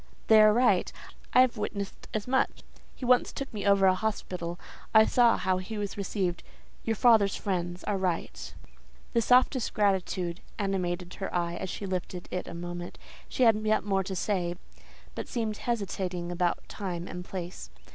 "They are right; I have witnessed as much. He once took me over a hospital; I saw how he was received: your father's friends are right." The softest gratitude animated her eye as she lifted it a moment. She had yet more to say, but seemed hesitating about time and place.